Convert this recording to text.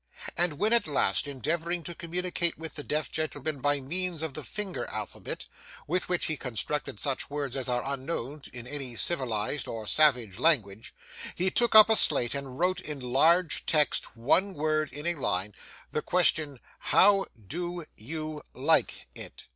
And when at last, endeavouring to communicate with the deaf gentleman by means of the finger alphabet, with which he constructed such words as are unknown in any civilised or savage language, he took up a slate and wrote in large text, one word in a line, the question, 'How—do—you—like—it?